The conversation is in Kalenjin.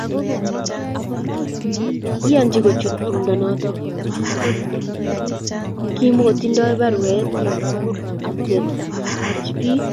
Kikiyanji kochut tumdo noto akot ko kimkotidoi barwet ab ketache bik.